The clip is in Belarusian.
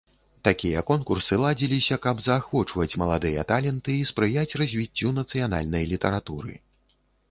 Такія конкурсы ладзіліся, каб заахвочваць маладыя таленты і спрыяць развіццю нацыянальнай літаратуры.